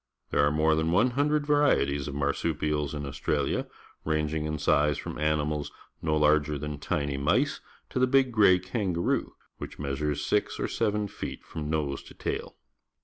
There arc more than one hundred \'arieties of mar supials in AustraUa, ranging in size from animalsjacularger than tiny mice to the big gray kangaroo, whicli measures six or seven feet from nose to tail.